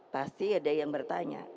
pasti ada yang bertanya